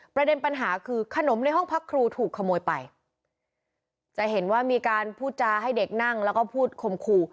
ประเด็นปัญหาคือขนมในห้องพักครูถูกขโมยไปจะเห็นว่ามีการพูดจาให้เด็กนั่งแล้วก็พูดคมครู